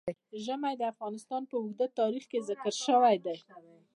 ژمی د افغانستان په اوږده تاریخ کې ذکر شوی دی.